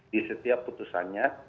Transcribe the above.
di setiap putusannya